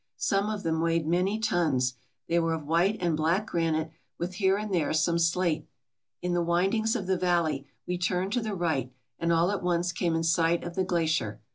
Some of them weighed many tons. They were of white and black granite with here and there some slate. In the windings of the valley we turned to the right and all at once came in sight of the glacier.